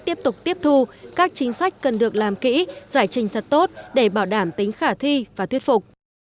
tiếp tục tiếp thu các chính sách cần được làm kỹ giải trình thật tốt để bảo đảm tính khả thi và thuyết phục